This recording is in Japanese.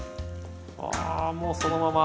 あもうそのまま。